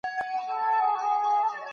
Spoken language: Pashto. که تګلاره بدله نه سي، دولت به کمزوری سي.